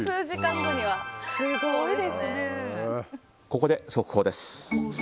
ここで速報です。